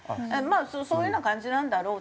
まあそういうような感じなんだろうと。